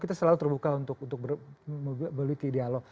kita selalu terbuka untuk memiliki dialog